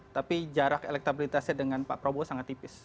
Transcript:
tapi jarak elektabilitasnya dengan pak prabowo sangat tipis